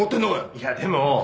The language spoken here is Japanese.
いやでも。